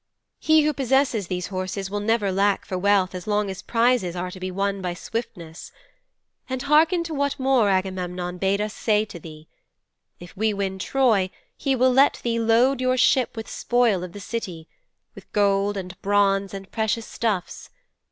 He who possesses these horses will never lack for wealth as long as prizes are to be won by swiftness. And harken to what more Agamemnon bade us say to thee. If we win Troy he will let thee load your ship with spoil of the city with gold and bronze and precious stuffs.